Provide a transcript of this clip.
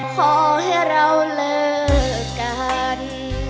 ขอให้เราเลิกกัน